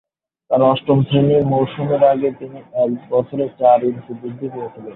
তার অষ্টম শ্রেণির মৌসুমের আগে, তিনি এক বছরে চার ইঞ্চি বৃদ্ধি পেয়েছিলেন।